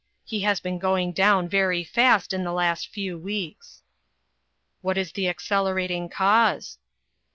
He has been going down very fast in the last few weeks." " What is the accelerating cause